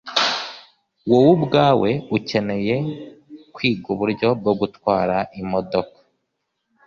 Wowe ubwawe ukeneye kwiga uburyo bwo gutwara imodoka.